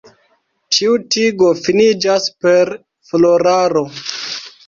Ĉiu tigo finiĝas per floraro.